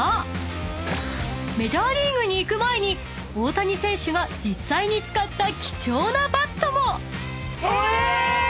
［メジャーリーグに行く前に大谷選手が実際に使った貴重なバットも］え！